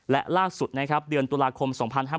และล่าสุดนะครับเดือนตุลาคม๒๕๕๙